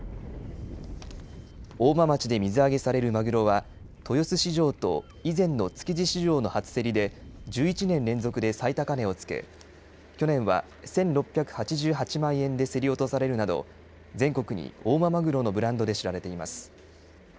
大間町で水揚げされるまぐろは豊洲市場と以前の築地市場の初競りで１１年連続で最高値をつけ去年は１６８８万円で競り落とされるなど全国に大間まぐろのブランドで知られています。